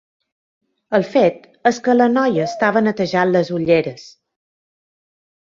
El fet és que la noia estava netejant les ulleres.